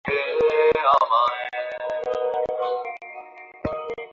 অতএব গুপ্তসমিতিগুলির সংস্রবে থাকিবেন না।